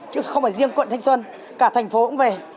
chứ không phải riêng quận thanh xuân cả thành phố cũng về